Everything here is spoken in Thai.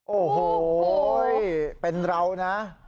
โอ้โหเป็นเรานะ